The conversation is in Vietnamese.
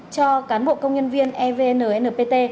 cho cán bộ công nhân viên evnnpt